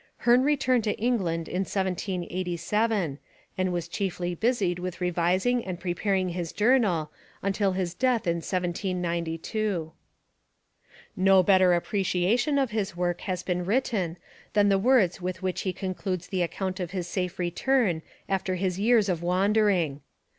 Hearne returned to England in 1787, and was chiefly busied with revising and preparing his journal until his death in 1792. No better appreciation of his work has been written than the words with which he concludes the account of his safe return after his years of wandering.